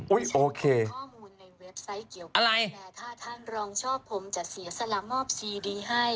โอเคข้อมูลในเว็บไซต์เกี่ยวอะไรแต่ถ้าท่านรองชอบผมจะเสียสละมอบซีดีให้